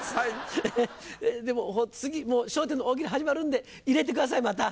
でも次『笑点』の大喜利始まるんで入れてくださいまた。